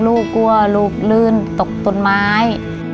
กลัวลูกลื่นตกต้นไม้